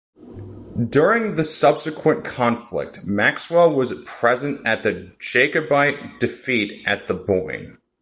During the subsequent conflict Maxwell was present at the Jacobite defeat at the Boyne.